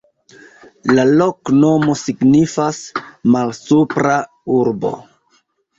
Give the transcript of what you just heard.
La loknomo signifas: Malsupra Urbo.